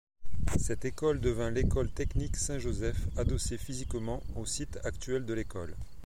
Cette école devint l'école Technique Saint Joseph, adossée physiquement au site actuel de l'école.